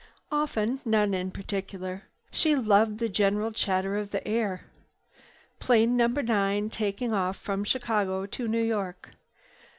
Often none in particular. She loved the general chatter of the air. "Plane Number 9 taking off from Chicago to New York."